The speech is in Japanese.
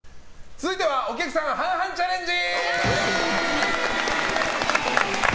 続いてはお客さん半々チャレンジ！